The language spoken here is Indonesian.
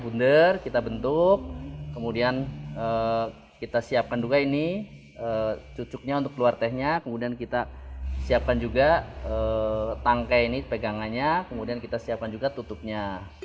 untuk bentuk kita siapkan tukang kemudian kita siapkan tangkai dan tutupnya